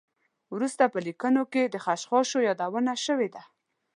وروسته په لیکنو کې د خشخاشو یادونه شوې ده.